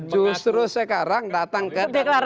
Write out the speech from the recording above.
justru sekarang datang ke dpr